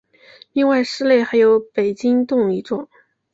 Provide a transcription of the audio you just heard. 另外寺内还有北宋经幢一座。